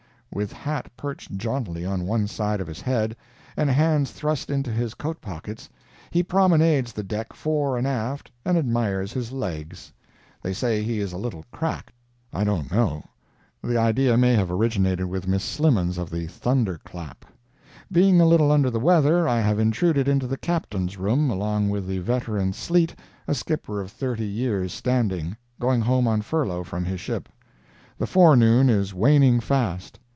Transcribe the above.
With hat perched jauntily on one side of his head, and hands thrust into his coat pockets, he promenades the deck fore and aft, and admires his legs. They say he is a little "cracked," I don't know—the idea may have originated with Miss Slimmens of the "Thunderclap." Being a little under the weather, I have intruded into the Captain's room, along with the veteran Sleet, a skipper of thirty years standing, going home on furlough from his ship. The forenoon is waning fast.